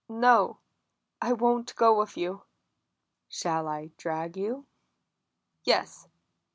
"No. I won't go with you." "Shall I drag you?" "Yes.